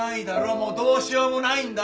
もうどうしようもないんだよ！